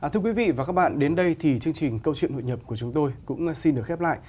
thưa quý vị và các bạn đến đây thì chương trình câu chuyện hội nhập của chúng tôi cũng xin được khép lại